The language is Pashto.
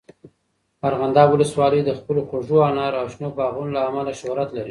ارغنداب ولسوالۍ د خپلو خوږو انارو او شنو باغونو له امله شهرت لري.